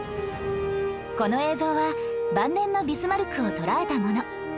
この映像は晩年のビスマルクを捉えたもの